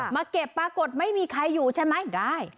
มาเก็บปรากฏไม่มีใครอยู่ใช่ไหมได้